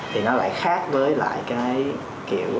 thì nó lại khác với lại cái kiểu